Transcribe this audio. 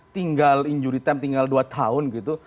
tinggal injuri temp tinggal dua tahun gitu